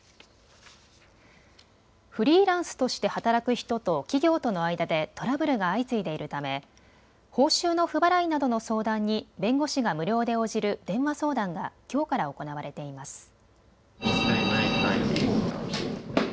フリーランスとして働く人と企業との間でトラブルが相次いでいるため報酬の不払いなどの相談に弁護士が無料で応じる電話相談がきょうから行われています。